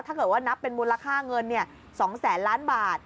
ถ้าเกิดว่านับเป็นมูลค่าเงิน๒แสนล้านบาท